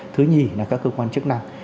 thứ nhì là các cơ quan chức năng